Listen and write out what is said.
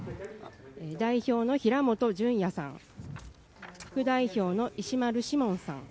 代表の平本淳也さん副代表の石丸志門さん。